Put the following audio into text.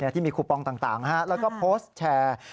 ที่มีคูปองต่างแล้วก็โพสต์แชร์